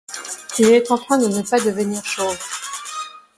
Il est en train de ne pas devenir chauve.